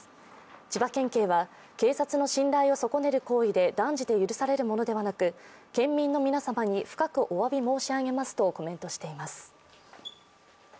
千葉県警は、警察の信頼を損ねる行為で断じて許されるものではなく県民の皆様に深くおわび申し上げますとコメントしています。